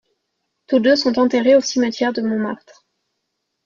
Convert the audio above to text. Tous deux sont enterrés au cimetière de Montmartre.